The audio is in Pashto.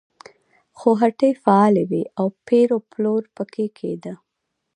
خو هټۍ فعالې وې او پېر و پلور پکې کېده.